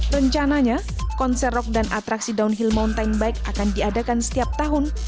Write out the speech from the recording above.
rencananya konser rock dan atraksi downhill mountain bike akan diadakan setiap tahun